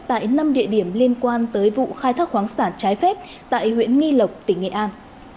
tại năm địa điểm liên quan tới vụ khai thác khoáng sản trái phép tại huyện nghi lộc tỉnh nghệ an